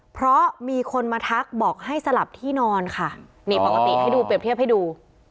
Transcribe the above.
เพราะมีคนมาทักบอกให้สลับที่นอนค่ะนี่ปกติให้ดูเปรียบเทียบให้ดู